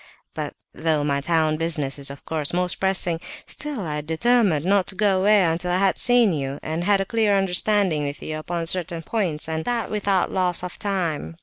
But though my town business is, of course, most pressing, still I determined not to go away until I had seen you, and had a clear understanding with you upon certain points; and that without loss of time.